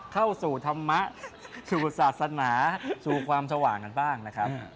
เข้าสู่ธรรมะสู่ศาสนาสู่ความสว่างกันบ้างนะครับ